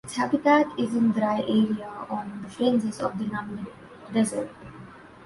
Its habitat is in dry areas on the fringes of the Namib desert.